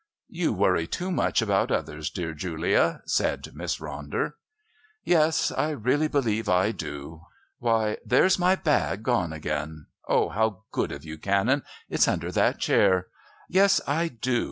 "You worry too much about others, dear Julia," said Miss Ronder. "Yes, I really believe I do. Why, there's my bag gone again! Oh, how good of you, Canon! It's under that chair. Yes. I do.